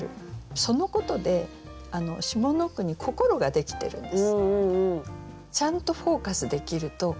そのことで下の句に心ができてるんです。